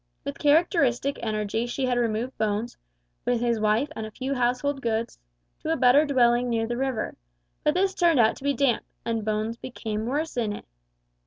With characteristic energy she had removed Bones, with his wife and a few household goods, to a better dwelling near the river, but this turned out to be damp, and Bones became worse in it.